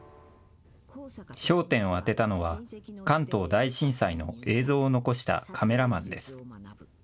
焦点を当てたのは関東大震災の映像を残したカメラマンです。